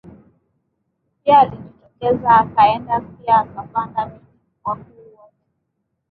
pia alijitokeza akaenda pia akapanda miti wakuu wote